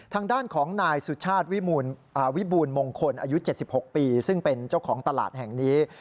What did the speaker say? ทางด้านของนายสุชาติวิบูรณมงคลอายุ๗๖ปีซึ่งเป็นเจ้าของตลาดแห่งนี้